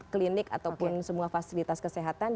klinik ataupun semua fasilitas kesehatan